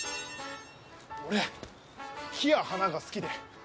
俺木や花が好きで。